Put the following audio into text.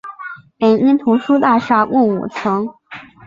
北京图书大厦共五层。